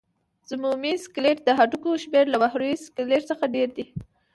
ضمیموي سکلېټ د هډوکو شمېر له محوري سکلېټ څخه ډېر دی.